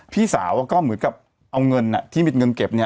พี่สาวก็เหมือนกับเอาเงินที่มีเงินเก็บเนี่ย